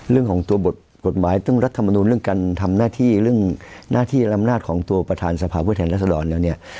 เรื่องของตัวบทกฎหมายเรื่องรัฐมนุนเรื่องการทำหน้าที่เรื่องหน้าที่ลำนาจของตัวประธานสภาพผู้แทนรัศดรแล้วเนี่ย